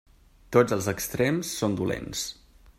Tots els extrems són dolents.